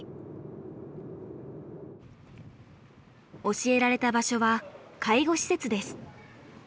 教えられた場所は介護施設です。